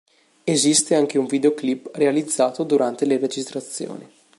Esiste anche un videoclip realizzato durante le registrazioni.